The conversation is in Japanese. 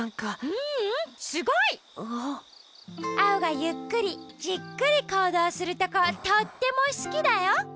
ううんすごい！アオがゆっくりじっくりこうどうするとことってもすきだよ。